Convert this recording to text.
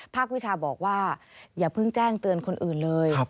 วิชาบอกว่าอย่าเพิ่งแจ้งเตือนคนอื่นเลย